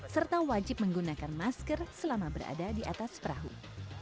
serta wajib menggunakan masker selama berada di atas perahu